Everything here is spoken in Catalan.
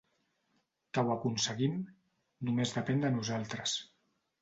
Que ho aconseguim, només depèn de nosaltres.